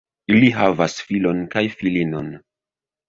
Ili havis filon kaj filinon.